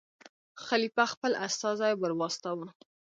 خلیفه خپل استازی ور واستاوه.